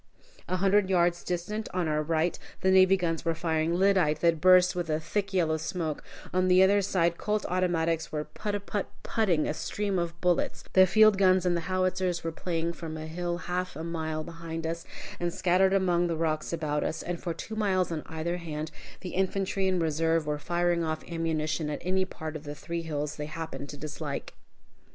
A hundred yards distant, on our right, the navy guns were firing lyddite that burst with a thick yellow smoke; on the other side Colt automatics were put put put ing a stream of bullets; the field guns and the howitzers were playing from a hill half a mile behind us, and scattered among the rocks about us, and for two miles on either hand, the infantry in reserve were firing off ammunition at any part of the three hills they happened to dislike!